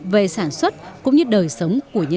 về sản xuất của dân